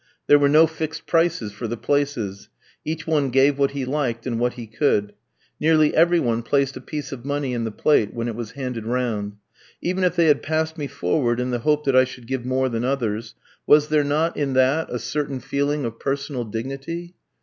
There were no fixed prices for the places. Each one gave what he liked, and what he could. Nearly every one placed a piece of money in the plate when it was handed round. Even if they had passed me forward in the hope that I should give more than others, was there not in that a certain feeling of personal dignity?